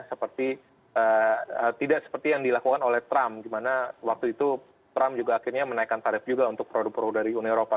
seperti tidak seperti yang dilakukan oleh trump di mana waktu itu trump juga akhirnya menaikkan tarif juga untuk produk produk dari uni eropa